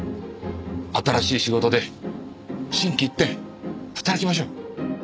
新しい仕事で心機一転働きましょう。